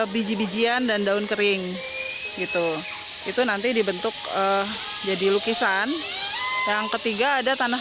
biji bijian dan daun kering gitu itu nanti dibentuk jadi lukisan yang ketiga ada tanah